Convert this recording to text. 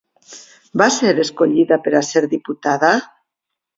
Va ser escollida per a ser diputada?